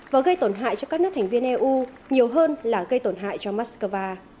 và gây tổn hại cho các nước thành viên eu nhiều hơn là gây tổn hại cho moscow